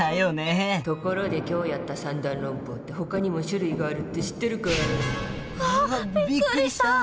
・ところで今日やった三段論法ってほかにも種類があるって知ってるかい？わあびっくりした。